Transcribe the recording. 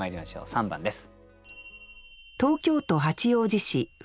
３番です。